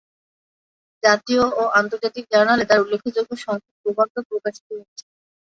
জাতীয় ও আন্তর্জাতিক জার্নালে তার উল্লেখযোগ্য সংখ্যক প্রবন্ধ প্রকাশিত হয়েছে।